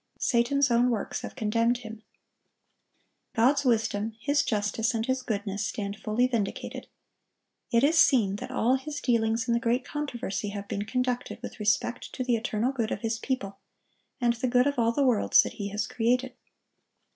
Satan's own works have condemned him. God's wisdom, His justice, and His goodness stand fully vindicated. It is seen that all His dealings in the great controversy have been conducted with respect to the eternal good of His people, and the good of all the worlds that He has created.